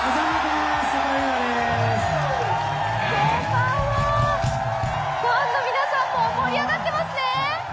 こんばんは、ファンの皆さんも盛り上がってますね。